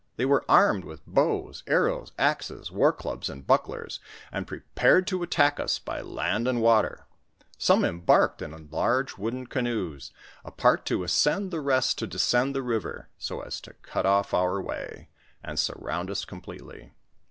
They were armed with bows, arrows, axes, war clubs, and bucklers, and prepared to attack us by land and water ; some embarked in large wooden canoes, a part to ascend the rest to descend the river, so as to cut off our way, and surround us completely.